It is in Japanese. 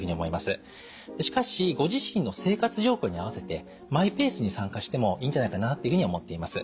しかしご自身の生活状況に合わせてマイペースに参加してもいいんじゃないかなっていうふうに思っています。